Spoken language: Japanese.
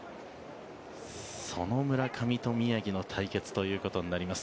その村上と宮城の対決ということになります。